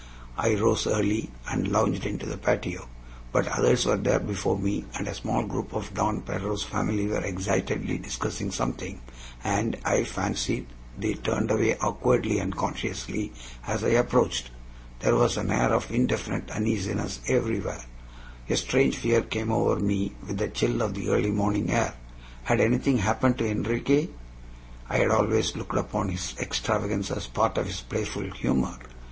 I rose early, and lounged into the patio; but others were there before me, and a small group of Don Pedro's family were excitedly discussing something, and I fancied they turned away awkwardly and consciously as I approached. There was an air of indefinite uneasiness everywhere. A strange fear came over me with the chill of the early morning air. Had anything happened to Enriquez? I had always looked upon his extravagance as part of his playful humor.